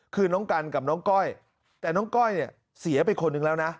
คือน้องกันกับน้องก้อยแต่น้องก้อยเนี่ยเสียไปคนหนึ่งแล้วนะ